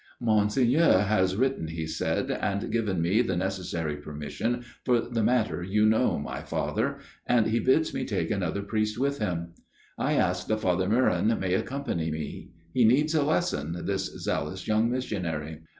"* Monseigneur has written,' he said, * and given me the necessary permission for the matter you know, my father. And he bids me take 38 A MIRROR OF SHALOTT another priest with me . I ask that Father Meuron may accompany me. He needs a lesson, this zealous young missionary.'